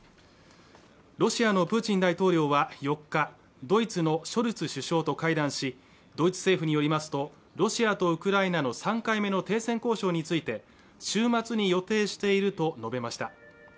ロシアのプーチン大統領は４日ドイツのショルツ首相と会談しドイツ政府によりますとロシアとウクライナの３回目の停戦交渉について週末に予定していると述べました